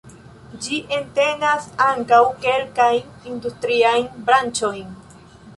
Ĝi entenas ankaŭ kelkajn industriajn branĉojn.